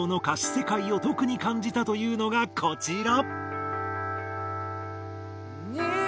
世界を特に感じたというのがこちら。